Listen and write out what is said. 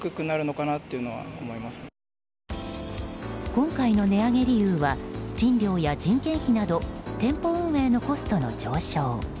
今回の値上げ理由は賃料や人件費など店舗運営のコストの上昇。